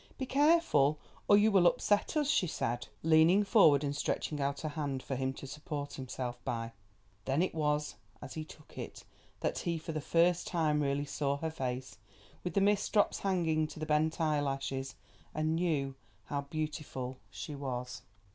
"Be careful or you will upset us," she said, leaning forward and stretching out her hand for him to support himself by. Then it was, as he took it, that he for the first time really saw her face, with the mist drops hanging to the bent eyelashes, and knew how beautiful it was.